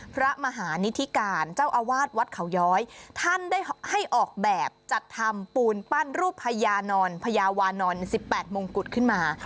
พระมหานิธิการเจ้าอาวาสวัดเขาย้อยท่านได้ให้ออกแบบจัดทำปูนปั้นรูปพญานอนพญาวานอน๑๘มงกุฎขึ้นมา